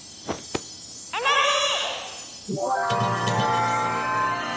エナジー！